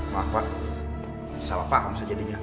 maaf pak salah paham sejadinya